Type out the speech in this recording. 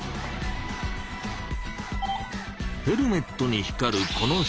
ヘルメットに光るこのシール。